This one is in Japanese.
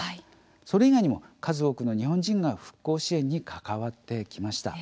それ以外にも数多くの日本人が復興支援に関わってきました。